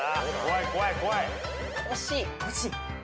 惜しい。